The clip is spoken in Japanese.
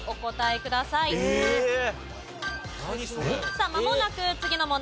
さあまもなく次の問題です。